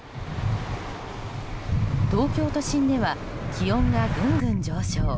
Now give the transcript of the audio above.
東京都心では気温がぐんぐん上昇。